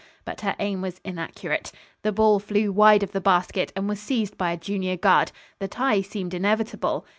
But her aim was inaccurate. The ball flew wide of the basket and was seized by a junior guard. The tie seemed inevitable.